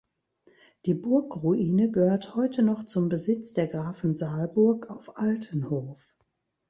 Die Burgruine gehört heute noch zum Besitz der Grafen Salburg auf Altenhof.